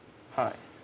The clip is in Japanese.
はい。